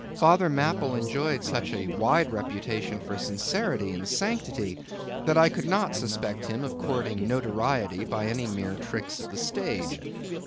Father Mapple enjoyed such a wide reputation for sincerity and sanctity, that I could not suspect him of courting notoriety by any mere tricks of the stage.